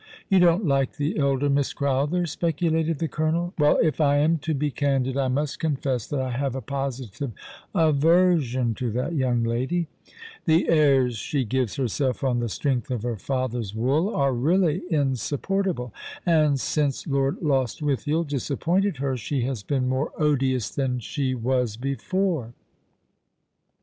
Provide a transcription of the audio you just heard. You don't like the elder Miss Crowther ?" speculated tho colonel. " Well, if I am to be candid, I must confess that I have a 102 All alonz the River, ^> positive aversion to that young lady. The airs slie gives herself on the strength of her father's wool are really insup portable, and since Lord Lostwithiel disappointed her she has been more odious than she was before."